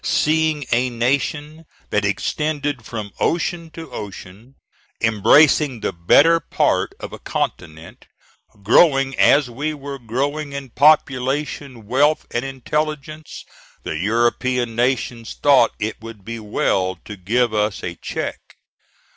Seeing a nation that extended from ocean to ocean, embracing the better part of a continent, growing as we were growing in population, wealth and intelligence, the European nations thought it would be well to give us a check.